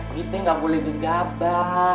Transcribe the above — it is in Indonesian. kita nggak boleh di cabang